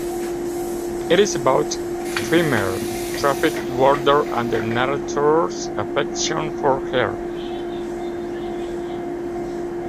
It is about a female traffic warden and the narrator's affection for her.